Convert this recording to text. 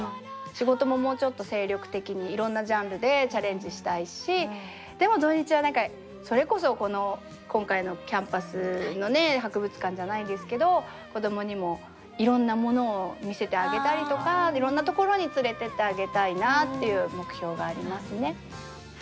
仕事ももうちょっと精力的にいろんなジャンルでチャレンジしたいしでも土日はそれこそこの今回のキャンパスのね博物館じゃないですけど子供にもいろんなものを見せてあげたりとかいろんな所に連れてってあげたいなっていう目標がありますね。